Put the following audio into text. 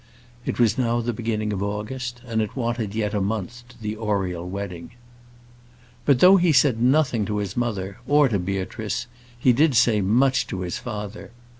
It was now the beginning of August, and it wanted yet a month to the Oriel wedding. But though he said nothing to his mother or to Beatrice, he did say much to his father.